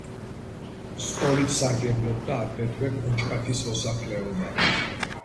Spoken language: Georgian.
სკოლით სარგებლობდა აგრეთვე კონჭკათის მოსახლეობა.